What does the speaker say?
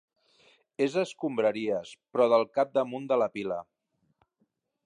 És escombraries, però del capdamunt de la pila.